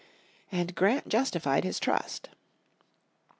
And Grant justified his trust.